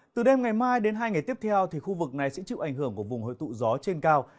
từ đêm ngày mai đến hai ngày tiếp theo thì khu vực này sẽ chịu ảnh hưởng của vùng hội tụ gió trên cao